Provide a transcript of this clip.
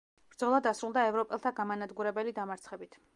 ბრძოლა დასრულდა ევროპელთა გამანადგურებელი დამარცხებით.